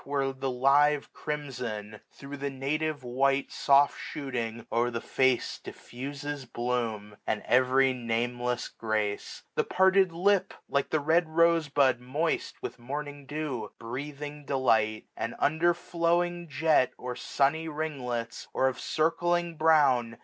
Where the live crimson, thro' the native white Soft shooting, o'er the face diffuses bloom, 158^ And every nameless grace ; the parted lip. Like the red rose bud moist with morning dew. Breathing delight ; and, under flowing jet. Or sunny ringlets, or of circling brown.